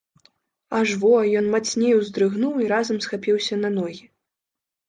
Аж во, ён мацней уздрыгнуў і разам схапіўся на ногі.